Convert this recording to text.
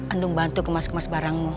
andung bantu kemas kemas barangmu